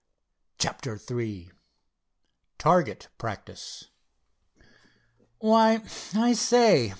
CHAPTER III "TARGET PRACTICE" "Why, I say!"